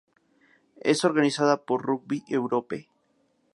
Es organizada por Rugby Europe.